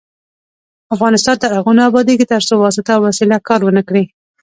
افغانستان تر هغو نه ابادیږي، ترڅو واسطه او وسیله کار ونه کړي.